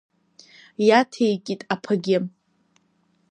Иаҭеикит аԥагьы.